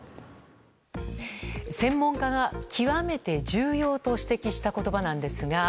専門家が極めて重要と指摘した言葉なんですが。